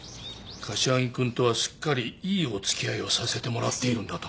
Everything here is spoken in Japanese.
柏木君とはすっかりいいおつきあいをさせてもらっているんだと。